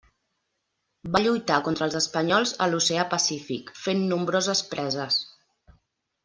Va lluitar contra els espanyols a l'Oceà Pacífic fent nombroses preses.